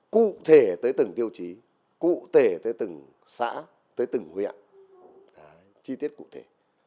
cụ thể tới từng tiêu chí cụ thể tới từng xã tới từng huyện chi tiết cụ thể